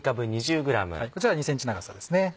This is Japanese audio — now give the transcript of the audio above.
こちらは２ｃｍ長さですね。